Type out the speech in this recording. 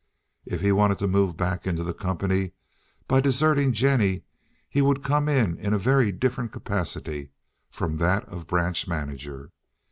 If he wanted to move back into the company by deserting Jennie he would come in a very different capacity from that of branch manager.